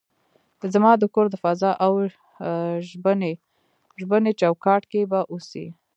زما د کور د فضا او ژبني چوکاټ کې به اوسئ.